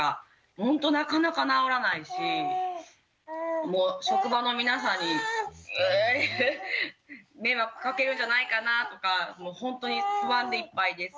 ほんとなかなか治らないしもう職場の皆さんに迷惑かけるんじゃないかなとかもうほんとに不安でいっぱいです。